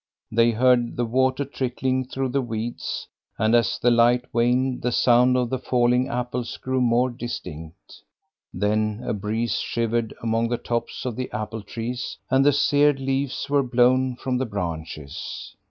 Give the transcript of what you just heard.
They heard the water trickling through the weeds, and as the light waned the sound of the falling apples grew more distinct. Then a breeze shivered among the tops of the apple trees, and the sered leaves were blown from the branches.